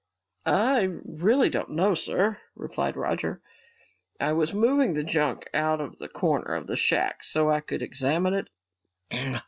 "I really don't know, sir," replied Roger. "I was moving the junk out of the corner of the shack so I could examine it.